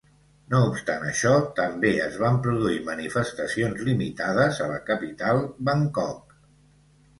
No obstant això, també es van produir manifestacions limitades a la capital, Bangkok.